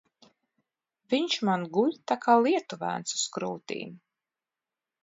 Viņš man guļ tā kā lietuvēns uz krūtīm.